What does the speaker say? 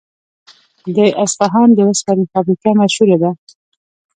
د اصفهان د وسپنې فابریکه مشهوره ده.